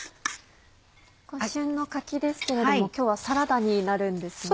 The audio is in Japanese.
旬の柿ですけれども今日はサラダになるんですね。